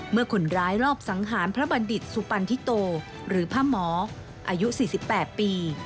เมื่อคนร้ายรอบสังหารพระบัณฑิตสุปันทิโตหรือพระหมออายุ๔๘ปี